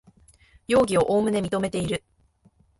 容疑をおおむね認めている